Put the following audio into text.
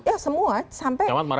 ya semua sampai kepalanya sekolah